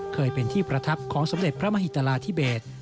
เคยเป็นที่ประทับของสมเด็จพระมหิตราธิเบศ